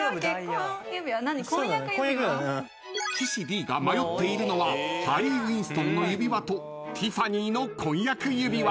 ［岸Ｄが迷っているのはハリー・ウィンストンの指輪とティファニーの婚約指輪］